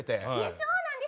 そうなんです！